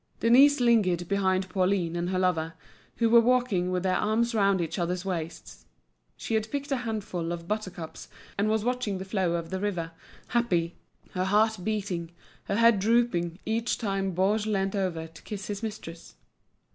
Denise lingered behind Pauline and her lover, who were walking with their arms round each other's waists. She had picked a handful of buttercups, and was watching the flow of the river, happy, her heart beating, her head drooping, each time Baugé leant over to kiss his mistress.